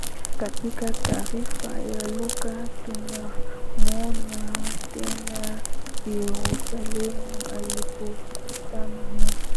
Katika taarifa ya Luka tunamwona tena Yerusalemu alipokutana na